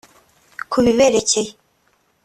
Kubiberekeye